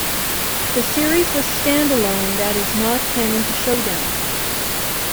The series was standalone that is not canon to Showdown.